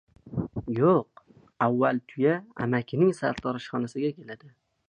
Yo‘q, avval «Tuya» amakining sartaroshxonasi keladi.